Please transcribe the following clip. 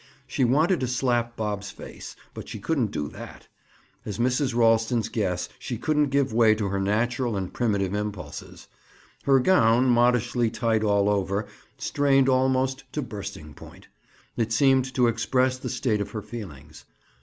She wanted to slap Bob's face, but she couldn't do that. As Mrs. Ralston's guest she couldn't give way to her natural and primitive impulses. Her gown, modishly tight all over, strained almost to bursting point; it seemed to express the state of her feelings.